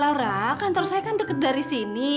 laura kantor saya kan deket dari sini